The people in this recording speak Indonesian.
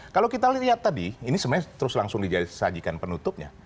kalau kita lihat tadi ini sebenarnya terus langsung disajikan penutupnya